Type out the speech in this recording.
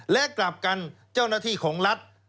และกลับกันเจ้าหน้าที่ของรัฐ